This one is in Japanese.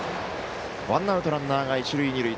ワンアウト、ランナーが一塁二塁。